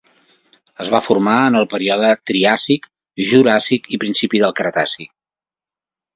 Es va formar en el període Triàsic, Juràssic, i principi del Cretaci.